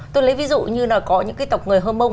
tôi lấy ví dụ như là có những cái tộc người hơ mông